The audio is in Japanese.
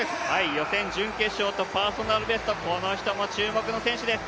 予選、準決勝とパーソナルベスト、この人も注目の選手です。